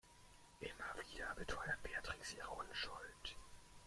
Immer wieder beteuert Beatrix ihre Unschuld.